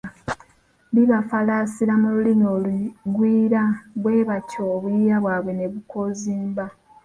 Bibafalaasira mu lulimi olugwira bwe batyo obuyiiya bwabwe ne bukonziba.